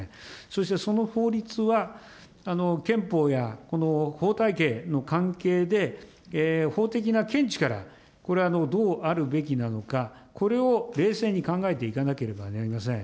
そして、その法律は憲法やこの法体系の関係で、法的な見地から、これ、どうあるべきなのか、これを冷静に考えていかなければなりません。